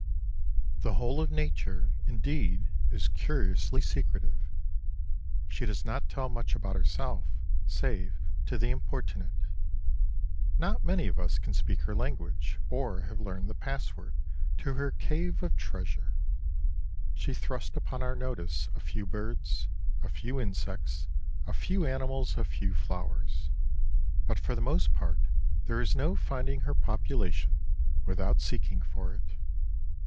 The whole of Nature, indeed, is curiously secretive. She does not tell much about herself save to the importunate. Not many of us can speak her language or have learned the password to her cave of treasure. She thrusts upon our notice a few birds, a few insects, a few animals, a few flowers. But for the most part there is no finding her population without seeking for it.